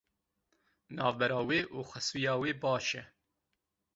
Navbera wê û xesûya wê baş e.